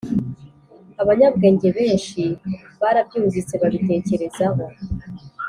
abanyabwenge benshi barabyumvise, babitekerezaho,